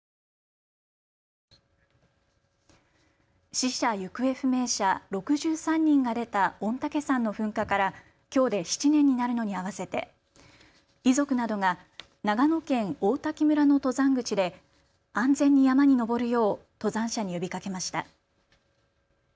死者・行方不明者６３人が出た御嶽山の噴火からきょうで７年になるのに合わせて遺族などが長野県王滝村の登山口で安全に山に登るよう登山者に呼びかけました。